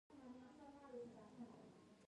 تاریخ اتلان نه هیروي